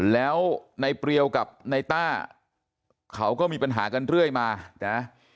แล้วในเปรียวกับในต้าเขาก็มีปัญหากันเรื่อยมานะ